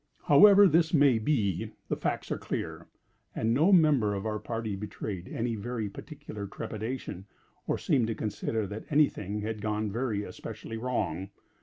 However this may be, the facts are clear, and no member of our party betrayed any very particular trepidation, or seemed to consider that any thing had gone very especially wrong.